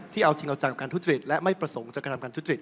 เอาจริงเอาจังกับการทุจริตและไม่ประสงค์จะกระทำการทุจริต